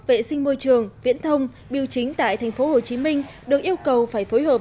vệ sinh môi trường viễn thông biểu chính tại tp hcm được yêu cầu phải phối hợp